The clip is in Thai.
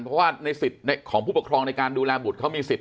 เพราะว่าในสิทธิ์ของผู้ปกครองในการดูแลบุตรเขามีสิทธิ